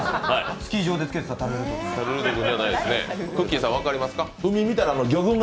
スキー場でつけてた、たるるーと君が。